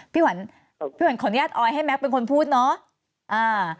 พี่หวันขออนุญาตออยให้แก๊กเป็นคนพูดเนาะ